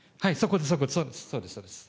そうですそうです。